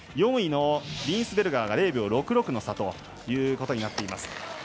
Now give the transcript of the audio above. ４位のリーンスベルガーが０秒６６の差ということになっています。